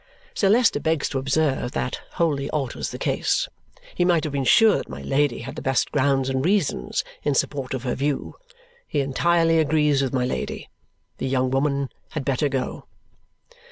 Sir Leicester begs to observe that wholly alters the case. He might have been sure that my Lady had the best grounds and reasons in support of her view. He entirely agrees with my Lady. The young woman had better go.